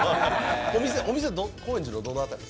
お店、高円寺のどの辺り？